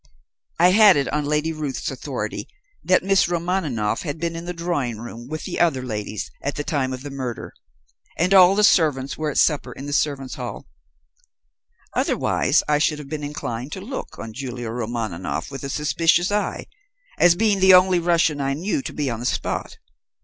I had it on Lady Ruth's authority that Miss Romaninov had been in the drawing room with the other ladies at the time of the murder, and all the servants were at supper in the servants' hall. Otherwise I should have been inclined to look on Julia Romaninov with a suspicious eye, as being the only Russian I knew to be on the spot.